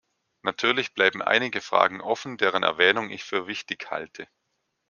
Natürlich bleiben einige Fragen offen, deren Erwähnung ich für wichtig halte.